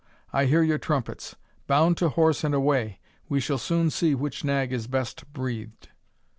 I hear your trumpets. Bound to horse and away we shall soon see which nag is best breathed."